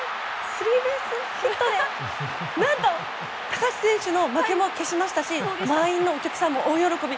スリーベースヒットで何と高橋選手の負けも消しましたし満員のお客さんも大喜び。